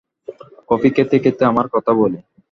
Coffee খেতে খেতে আমার কথা বলি।